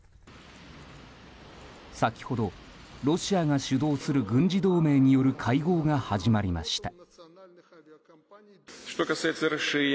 先ほど、ロシアが主導する軍事同盟による会合が始まりました。